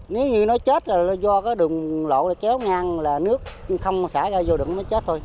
nếu như nó chết là do đường lộ kéo ngang là nước không xả ra vô đường nó chết thôi